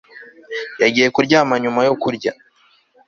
Yagiye kuryama nyuma yo kurya